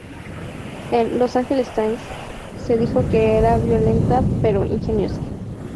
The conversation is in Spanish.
En "Los Angeles Times", se dijo que era violenta pero ingeniosa.